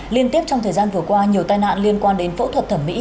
liên tiếp trong thời gian vừa qua nhiều tai nạn liên quan đến phẫu thuật thẩm mỹ